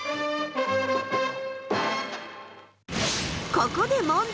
ここで問題！